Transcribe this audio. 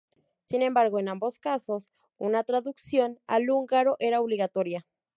Sin embargo, en ambos casos una traducción al húngaro era obligatoria.